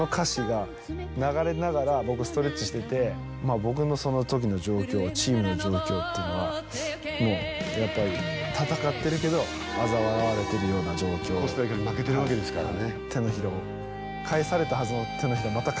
僕のその時の状況チームの状況っていうのはもうやっぱり闘ってるけどあざ笑われてるような状況狙ってかけてたんですかね？